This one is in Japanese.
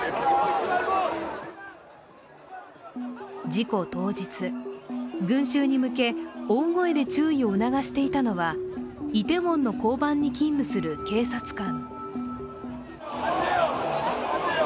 事故当日、群集に向け大声で注意を促していたのはイテウォンの交番に勤務する警察官。